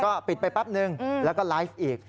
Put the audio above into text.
ก็ปิดไปแป๊บนึงแล้วก็ไลฟ์อีก